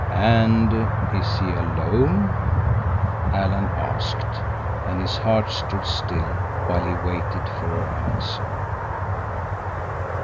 "And—is he alone?" Alan asked, and his heart stood still while he waited for her answer.